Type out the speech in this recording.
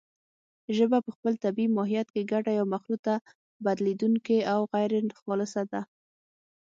ژبه په خپل طبیعي ماهیت کې ګډه یا مخلوطه، بدلېدونکې او غیرخالصه ده